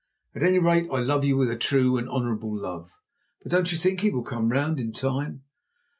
At any rate I love you with a true and honourable love. But don't you think he will come round in time?"